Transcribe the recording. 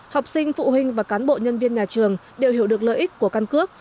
học sinh phụ huynh và cán bộ nhân viên nhà trường đều hiểu được lợi ích của căn cước